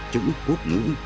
chữ quốc ngữ